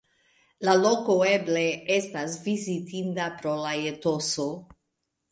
La loko eble estas vizitinda pro la etoso.